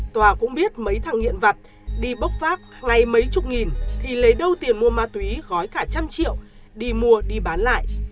tòa cũng biết mấy thẳng hiện vật đi bốc vác ngay mấy chục nghìn thì lấy đâu tiền mua ma túy gói cả trăm triệu đi mua đi bán lại